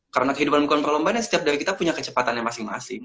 karena kehidupan bukan perlombaan ya setiap dari kita punya kecepatannya masing masing